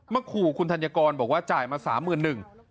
ขู่คุณธัญกรบอกว่าจ่ายมา๓๑๐๐บาท